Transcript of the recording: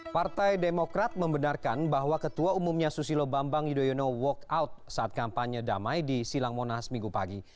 partai demokrat membenarkan bahwa ketua umumnya susilo bambang yudhoyono walk out saat kampanye damai di silang monas minggu pagi